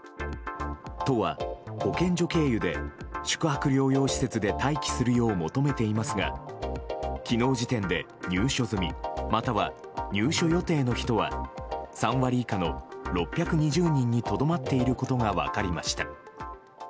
都は、保健所経由で宿泊療養施設で待機するよう求めていますが昨日時点で入所済みまたは入所予定の人は３割以下の６２０人にとどまっていることが分かりました。